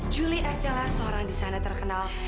juli estelah seorang disana terkenal